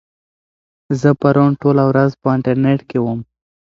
زه پرون ټوله ورځ په انټرنيټ کې وم.